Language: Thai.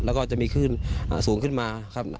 แล้วก็จะมีคลื่นสูงขึ้นมาครับ